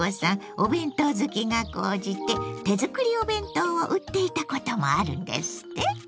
お弁当好きが高じて手作りお弁当を売っていたこともあるんですって？